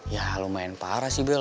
ya lumayan parah sih bel